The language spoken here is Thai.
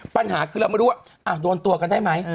ปัญหาคือเราไม่รู้ว่าโดนตัวกันได้ไหม